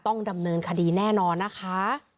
ต้องดำเนินคดีแน่นอนนะคะ